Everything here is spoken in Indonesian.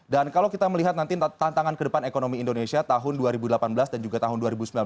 dan kalau kita melihat nanti tantangan ke depan ekonomi indonesia tahun dua ribu delapan belas dan juga tahun dua ribu sembilan belas